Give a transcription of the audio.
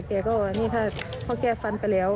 แกก็ว่านี่ค่ะเพราะแกฟันไปแล้ว